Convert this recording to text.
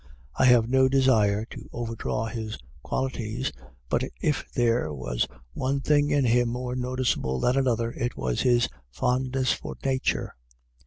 I have no desire to overdraw his qualities, but if there was one thing in him more noticeable than another, it was his fondness for nature.